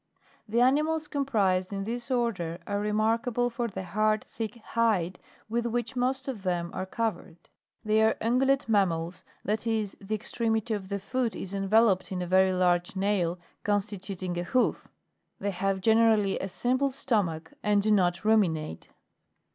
13. The animals comprised in this order are remarkable for the hard thick hide with which most of them are covered : they are nnyulatc mammals, (that is, the extremity of the foot is enveloped in a very large nail, constituting a hoof;) they have generally a simple stomach and do not ruminate.